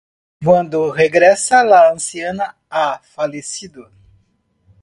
Cuando regresa, la anciana ha fallecido.